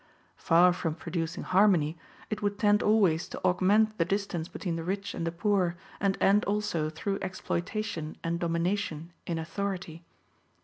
Far from producing harmony, it would tend always to augment the distance between the rich and the poor, and end also through exploitation and domination in authority.